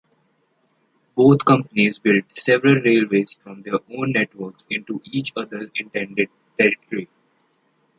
Both companies built several railways from their own networks into each other's intended territory.